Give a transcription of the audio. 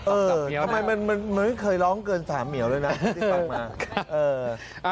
เออทำไมมันเคยร้องเกิน๓เมียวด้วยนะที่ฟังมา